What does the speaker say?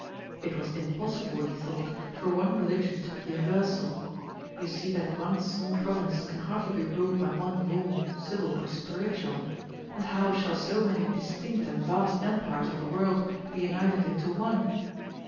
It was impossible, he thought, for one religion to be universal: you see that one small province can hardly be ruled by one law, civil or spiritual; and how shall so many distinct and vast empires of the world be united into one?